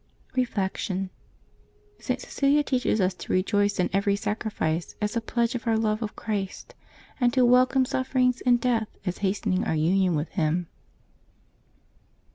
Reflection. — St. Cecilia teaches us to rejoice in every sacrifice as a pledge of our love of Christ, and to welcome sufferings and death as hastening our union with Him.